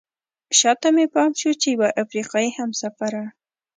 شاته مې پام شو چې یوه افریقایي همسفره.